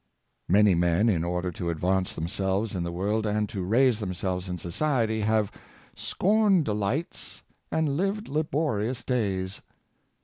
Many men, in order to advance themselves in the Distinguished Miners, 411 world, and to raise themselves in society, have " scorned delights and lived laborious days."